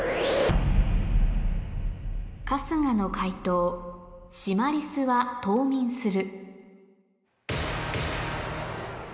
春日の解答「シマリスは冬眠する」